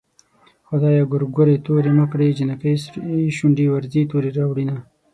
خدايه ګورګورې تورې مه کړې جنکۍ سرې شونډې ورځي تورې راوړينه